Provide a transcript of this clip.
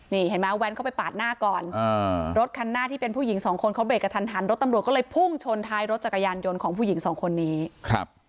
นี่เห็นไหมแว้นเข้าไปปาดหน้าก่อนอ่ารถคันหน้าที่เป็นผู้หญิงสองคนเขาเบรกกับทันหันรถตำรวจก็เลยพุ่งชนท้ายรถจักรยานยนต์ของผู้หญิงสองคนนี้ครับ